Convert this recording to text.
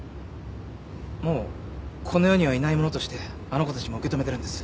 もうこの世にはいないものとしてあの子たちも受け止めてるんです。